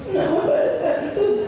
namun pada saat itu